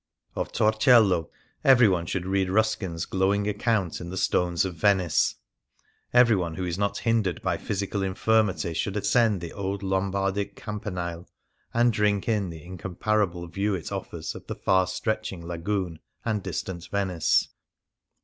Of Torcello everyone should read Rus kin's, glowing account in the "Stones of Venice"; everyone who is not hindered by physical in 95 Things Seen in Venice firmity should ascend the old Lombardic Cam panile and drink in the incomparable view it offers of the far stretching Lagoon and distant Venice.